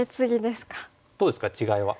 どうですか違いは。